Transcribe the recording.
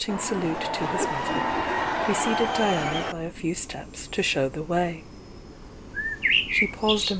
"«'^"*^ t° ^'^ mother, preceded Diana by a few steps to show the way. She paused ti™.